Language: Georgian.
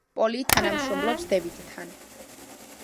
პოლი თანამშრომლობს დევიდთან.